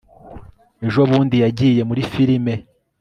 ejo bundi yagiye muri firime